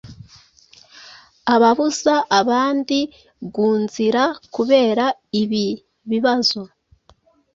ababuza abandi gunzira kubera ibi bibazo